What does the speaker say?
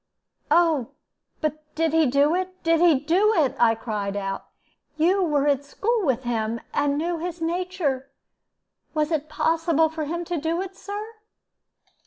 "Oh, but did he do it, did he do it?" I cried out. "You were at school with him, and knew his nature. Was it possible for him to do it, Sir?"